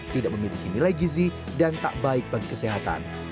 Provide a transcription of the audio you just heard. tidak memiliki nilai gizi dan tak baik bagi kesehatan